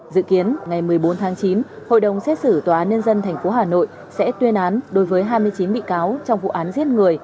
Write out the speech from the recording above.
dự kiến ngày một mươi bốn tháng chín hội đồng xét xử tòa án nhân dân tp hà nội sẽ tuyên án đối với hai mươi chín bị cáo trong vụ án giết người